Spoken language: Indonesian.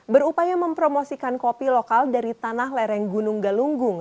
berupaya mempromosikan kopi lokal dari tanah lereng gunung galunggung